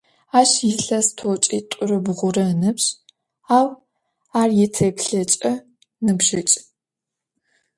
Aş yilhes t'oç'it'ure bğure ınıbj, au ar yitêplheç'e nıbjıç'.